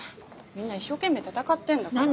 みんな一生懸命闘ってんだから。